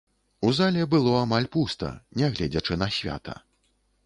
У зале было амаль пуста, нягледзячы на свята.